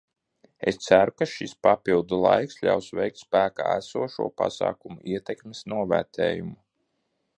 Es ceru, ka šis papildu laiks ļaus veikt spēkā esošo pasākumu ietekmes novērtējumu.